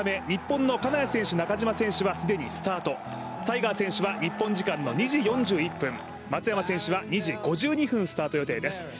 日本の金谷選手、中島選手は既にスタートタイガー選手は日本時間の２時４１分松山選手は２時５２分スタート予定です。